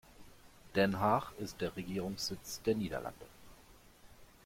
Den Haag ist der Regierungssitz der Niederlande.